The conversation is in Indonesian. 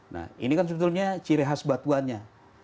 nah ini kan sebetulnya ciri khas batuannya